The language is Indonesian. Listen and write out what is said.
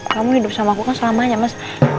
kamu hidup sama aku kan selama aja mas